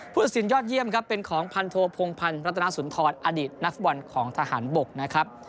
ตัดสินยอดเยี่ยมครับเป็นของพันโทพงพันธ์รัตนาสุนทรอดีตนักฟุตบอลของทหารบกนะครับ